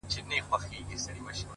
که غچيدله زنده گي په هغه ورځ درځم ـ